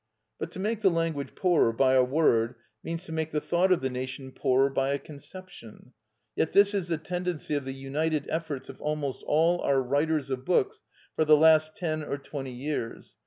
But to make the language poorer by a word means to make the thought of the nation poorer by a conception. Yet this is the tendency of the united efforts of almost all our writers of books for the last ten or twenty years.